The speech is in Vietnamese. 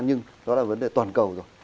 nhưng đó là vấn đề toàn cầu rồi